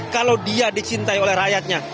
kalau dia dicintai oleh rakyatnya